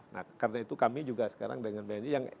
nah karena itu kami juga sekarang dengan bni yang